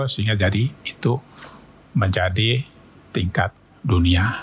sehingga jadi itu menjadi tingkat dunia